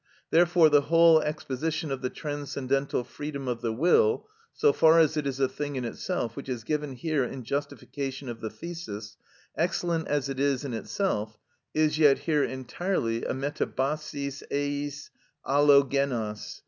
Therefore the whole exposition of the transcendental freedom of the will, so far as it is a thing in itself, which is given here in justification of the thesis, excellent as it is in itself, is yet here entirely a μεταβασις εις αλλο γενος.